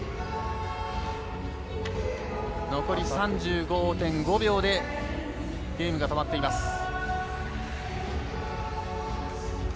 残り３５．５秒でゲームが止まっています。